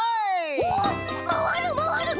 おおまわるまわる！